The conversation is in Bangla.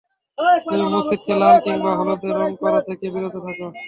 তবে মসজিদকে লাল কিংবা হলদে রং করা থেকে বিরত থাকো।